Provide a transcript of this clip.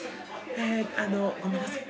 えあのごめんなさい。